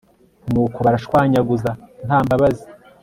nuko baranshwanyaguza nta mbabazi